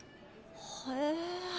へえ。